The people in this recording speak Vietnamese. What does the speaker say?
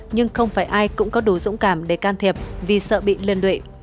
nhưng không phải ai cũng có đủ dũng cảm để can thiệp vì sợ bị liên đệ